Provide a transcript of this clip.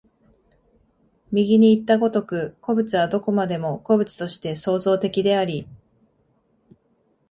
右にいった如く、個物はどこまでも個物として創造的であり、